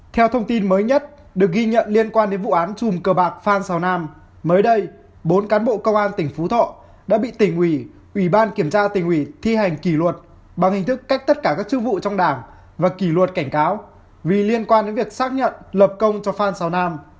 theo thông tin mới nhất được ghi nhận liên quan đến vụ án chùm cờ bạc phan xào nam mới đây bốn cán bộ công an tỉnh phú thọ đã bị tỉnh ủy ủy ban kiểm tra tỉnh ủy thi hành kỷ luật bằng hình thức cách tất cả các chức vụ trong đảng và kỷ luật cảnh cáo vì liên quan đến việc xác nhận lập công cho phan xào nam